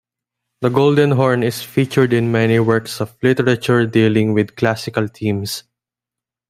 The Golden Horn is featured in many works of literature dealing with classical themes.